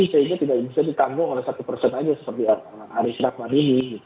sehingga tidak bisa ditanggung oleh satu person saja seperti aris raffanini